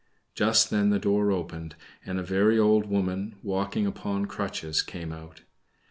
Just then the door opened, and a very old woman, walking upon crutches, came out.